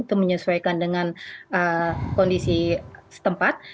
itu menyesuaikan dengan kondisi setempat